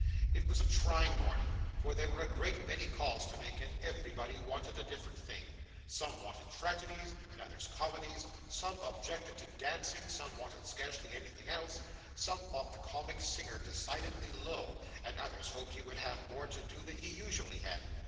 It was a trying morning; for there were a great many calls to make, and everybody wanted a different thing. Some wanted tragedies, and others comedies; some objected to dancing; some wanted scarcely anything else. Some thought the comic singer decidedly low, and others hoped he would have more to do than he usually had.